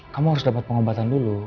kamu harus dapat pengobatan dulu